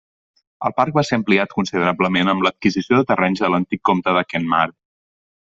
El parc va ser ampliat considerablement amb l'adquisició de terrenys de l'antic Comte de Kenmare.